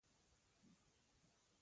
چې څرنګه کار کوونکي زیات توليدونکي کړي.